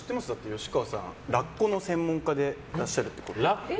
吉川さん、ラッコの専門家でいらっしゃるってこと。